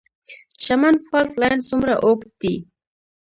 چمن فالټ لاین څومره اوږد دی؟